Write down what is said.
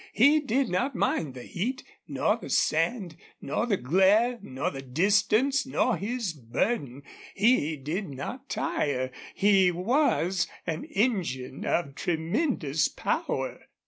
He did not mind the heat nor the sand nor the glare nor the distance nor his burden. He did not tire. He was an engine of tremendous power.